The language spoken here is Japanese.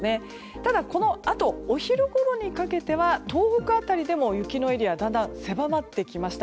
ただ、このあとお昼ごろにかけては東北辺りでも雪のエリアだんだん狭まってきました。